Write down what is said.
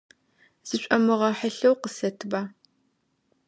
Зышӏомыгъэхьылъэу, къысэтба.